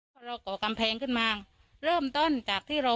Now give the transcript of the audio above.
พอเราก่อกำแพงขึ้นมาเริ่มต้นจากที่เรา